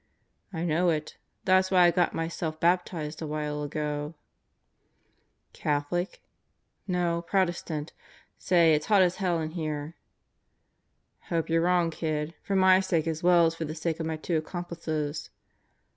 "I know it. That's why I got myself baptized a while ago " "Catholic?" "No, Protestant. ... Say, it's hot as hell in here." "Hope you're wrong, kid. For my sake as well as for the sake of my two accomplices."